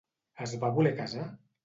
Es va voler casar?